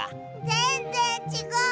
ぜんぜんちがう！